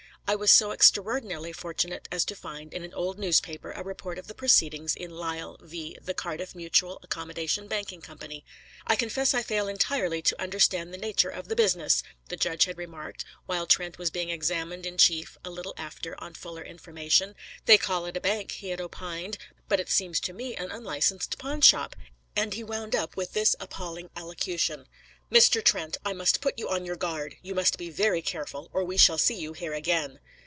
I was so extraordinarily fortunate as to find, in an old newspaper, a report of the proceedings in Lyall v. The Cardiff Mutual Accommodation Banking Co. "I confess I fail entirely to understand the nature of the business," the judge had remarked, while Trent was being examined in chief; a little after, on fuller information "They call it a bank," he had opined, "but it seems to me to be an unlicensed pawnshop"; and he wound up with this appalling allocution: "Mr. Trent, I must put you on your guard; you must be very careful, or we shall see you here again."